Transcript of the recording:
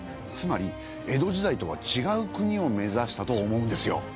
つまり江戸時代とはちがう国を目指したと思うんですよ。